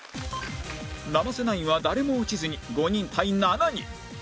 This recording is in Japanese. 生瀬ナインは誰も落ちずに５人対７人